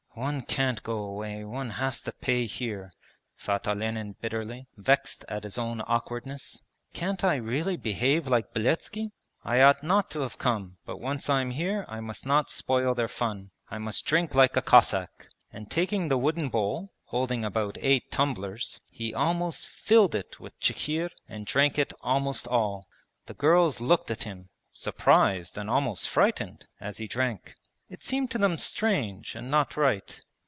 'One can't go away, one has to pay here,' thought Olenin bitterly, vexed at his own awkwardness. 'Can't I really behave like Beletski? I ought not to have come, but once I am here I must not spoil their fun. I must drink like a Cossack,' and taking the wooden bowl (holding about eight tumblers) he almost filled it with chikhir and drank it almost all. The girls looked at him, surprised and almost frightened, as he drank. It seemed to them strange and not right.